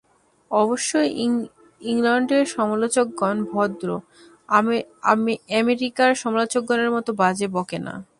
অবশ্য ইংলণ্ডের সমালোচকগণ ভদ্র, আমেরিকার সমালোচকদের মত বাজে বকে না।